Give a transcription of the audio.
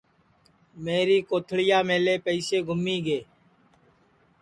میری کوتھݪِیاملے پیئیسے گُمی گے